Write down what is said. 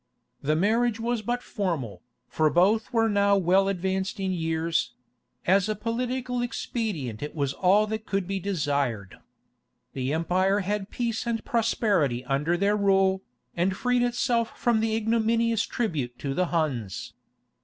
The marriage was but formal, for both were now well advanced in years: as a political expedient it was all that could be desired. The empire had peace and prosperity under their rule, and freed itself from the ignominious tribute to the Huns.